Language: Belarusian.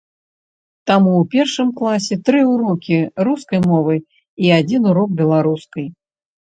Таму у першым класе тры ўрокі рускай мовы, і адзін урок беларускай.